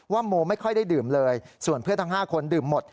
โมไม่ค่อยได้ดื่มเลยส่วนเพื่อนทั้ง๕คนดื่มหมด